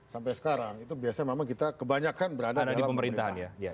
sampai sekarang itu biasanya memang kita kebanyakan berada di pemerintahan